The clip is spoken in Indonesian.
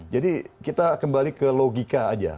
jadi kita kembali ke logika aja